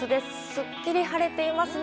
すっきり晴れていますね。